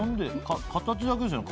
形だけですよね。